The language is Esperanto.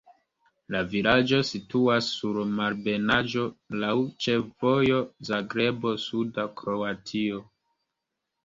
La vilaĝo situas sur malebenaĵo, laŭ ĉefvojo Zagrebo-suda Kroatio.